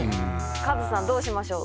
カズさんどうしましょう？